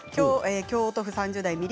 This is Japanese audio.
京都府３０代の方。